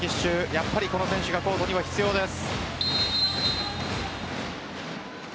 やっぱりこの選手はコートには必要です。